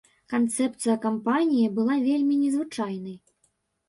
Канцэпцыя кампаніі была вельмі незвычайнай.